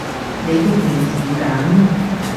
你的名字梗